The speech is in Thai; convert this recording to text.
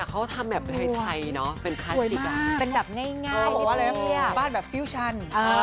แต่เขาทำแบบไทยเนาะเป็นคลาสติกาเป็นกับง่ายบ้านแบบฟิวชัน